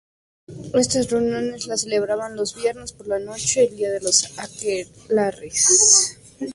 Estas reuniones las celebraban los viernes por la noche, el día de los aquelarres.